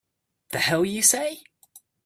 The hell you say!